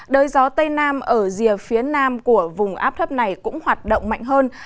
đới gió tây nam ở rìa phía nam của vùng áp thấp này cũng hoạt động mạnh hơn